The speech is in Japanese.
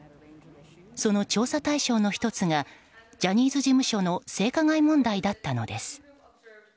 その調査対象の１つがジャニーズ事務所の性加害問題だったのです。